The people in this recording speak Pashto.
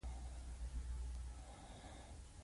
وینز ته یو استثنايي فرصت په لاس ورغلی و.